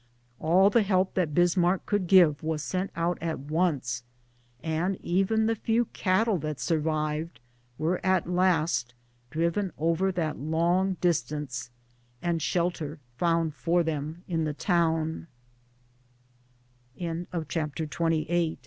All the help that Bismarck could give was sent out at once, and even the few cattle that survived were at last driven over that long distance, and shelter found for them in the town.